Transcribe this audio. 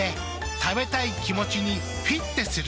食べたい気持ちにフィッテする。